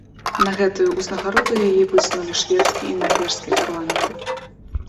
На гэтую ўзнагароду яе высунулі шведскі і нарвежскі парламенты.